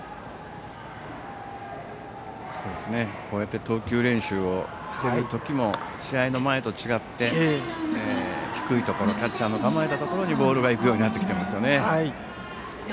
こうやって投球練習をしているときも試合の前と違って、低いところキャッチャーの構えたところにボールが行くようになっています。